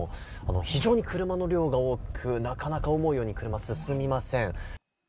非常に車の量が多く、なかなか思うように進みません。